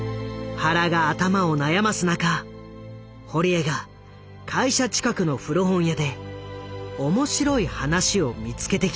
原が頭を悩ます中堀江が会社近くの古本屋で面白い話を見つけてきた。